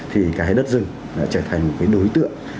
thì cái đất rừng đã trở thành một cái đối tượng